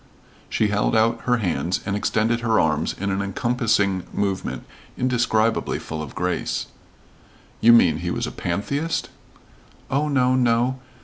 She held out her hands and extended her arms in an encompassing movement indescribably full of grace. "You mean he was a pantheist?" "Oh, no, no.